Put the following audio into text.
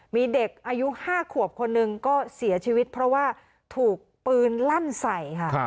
มีเด็กอายุ๕ขวบคนหนึ่งก็เสียชีวิตเพราะว่าถูกปืนลั่นใส่ค่ะ